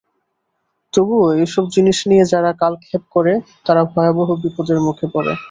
তবুও এইসব জিনিষ নিয়ে যারা কালক্ষেপ করে, তারা ভয়াবহ বিপদের মুখে পড়ে।